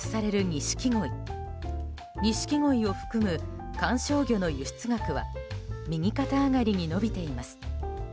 ニシキゴイを含む観賞魚の輸出額は右肩上がりに伸びています。